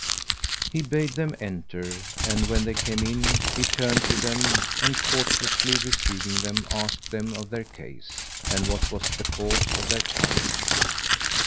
He bade them enter and, when they came in, he turned to them; and, courteously receiving them, asked them of their case, and what was the cause of their coming.